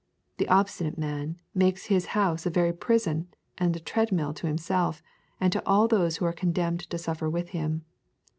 The obstinate man makes his house a very prison and treadmill to himself and to all those who are condemned to suffer with him.